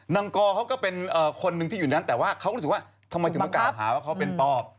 กอเขาก็เป็นคนหนึ่งที่อยู่นั้นแต่ว่าเขาก็รู้สึกว่าทำไมถึงมากล่าวหาว่าเขาเป็นปอบ